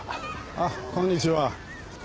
あっこんにちは。